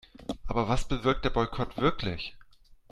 Aber was bewirkt der Boykott wirklich?